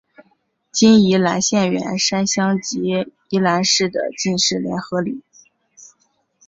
今宜兰县员山乡及宜兰市的进士联合里。